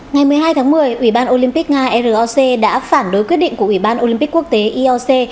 ngày một mươi hai tháng một mươi ủy ban olympic nga roc đã phản đối quyết định của ủy ban olympic quốc tế ioc